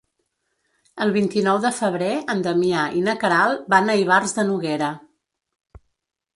El vint-i-nou de febrer en Damià i na Queralt van a Ivars de Noguera.